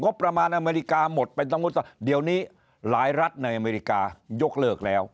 ประมาณอเมริกาหมดไปสมมุติว่าเดี๋ยวนี้หลายรัฐในอเมริกายกเลิกแล้ว